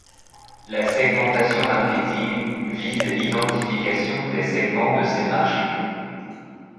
La segmentation marketing vise l'identification des segments de ces marchés.